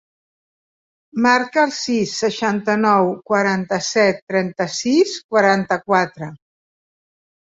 Marca el sis, seixanta-nou, quaranta-set, trenta-sis, quaranta-quatre.